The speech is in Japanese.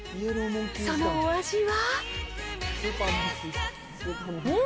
そのお味は。